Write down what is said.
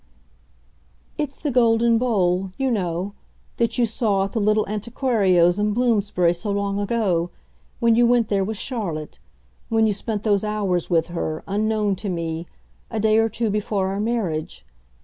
"It's the golden bowl, you know, that you saw at the little antiquario's in Bloomsbury, so long ago when you went there with Charlotte, when you spent those hours with her, unknown to me, a day or two before our marriage.